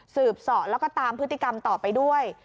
สอดแล้วก็ตามพฤติกรรมต่อไปด้วย